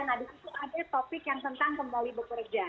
nah disitu ada topik yang tentang kembali bekerja